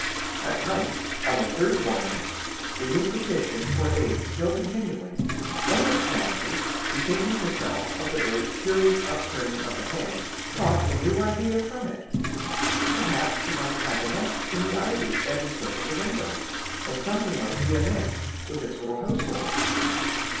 At length, on the third morning, the mute petition for aid still continuing, one of the family, bethinking herself of the bird's curious upturning of the head, caught a new idea from it. Perhaps she might have a nest in the ivy that encircled the window, and something might be amiss with its little household.